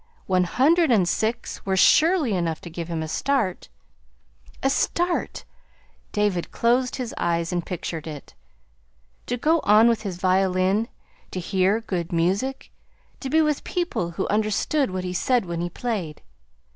One hundred and six were surely enough to give him a "start." A start! David closed his eyes and pictured it. To go on with his violin, to hear good music, to be with people who understood what he said when he played!